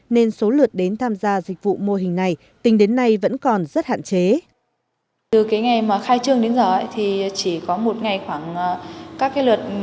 nên số lượt đến tham gia dịch vụ mô hình này tính đến nay vẫn còn rất hạn chế